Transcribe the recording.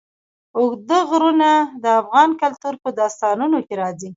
اوږده غرونه د افغان کلتور په داستانونو کې راځي.